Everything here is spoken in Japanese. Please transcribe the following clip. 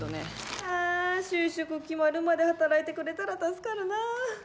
ああ就職決まるまで働いてくれたら助かるなあ。